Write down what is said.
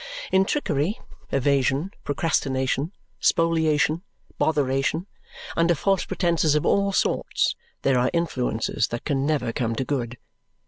In trickery, evasion, procrastination, spoliation, botheration, under false pretences of all sorts, there are influences that can never come to good.